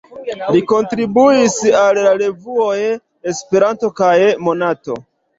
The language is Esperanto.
Li kontribuis al la revuoj "Esperanto" kaj "Monato".